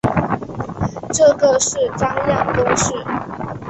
这是个张量公式。